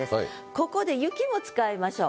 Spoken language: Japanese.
ここで「雪」も使いましょう。